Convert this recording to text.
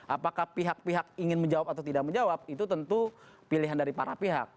apakah pihak pihak ingin menjawab atau tidak menjawab itu tentu pilihan dari para pihak